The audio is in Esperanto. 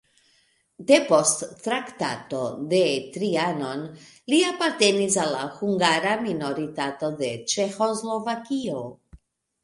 Depost Traktato de Trianon li apartenis al la hungara minoritato en Ĉeĥoslovakio.